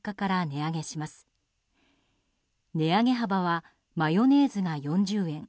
値上げ幅はマヨネーズが４０円